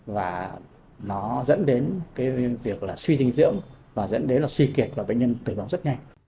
và nó dẫn đến việc suy dinh dưỡng và dẫn đến suy kiệt và bệnh nhân tuổi bóng rất nhanh